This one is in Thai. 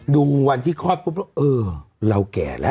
ดูวันที่คลอดปุ๊บแล้วเออเราแก่แล้ว